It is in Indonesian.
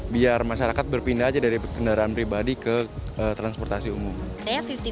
biar masyarakat berpindah aja dari kendaraan pribadi ke transportasi umum